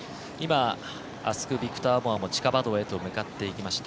アスクビターモアが地下馬道へと向かっていきました。